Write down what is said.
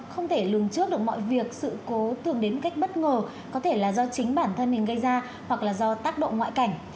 trong phần tiếp theo của chương trình tình trạng đặt tiền lẻ đi lễ chùa vẫn còn tái diễn dịp đầu xuân